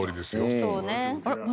そうね。